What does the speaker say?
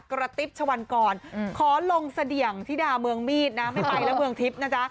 กระติ๊บชะวันกรขอลงเสดี่ยงธิดาเมืองมีดนะไม่ไปแล้วเมืองทิพย์นะจ๊ะ